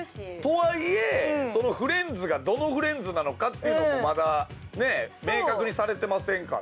とはいえその「フレンズ」がどのフレンズなのかっていうのもまだね明確にされてませんから。